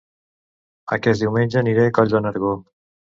Aquest diumenge aniré a Coll de Nargó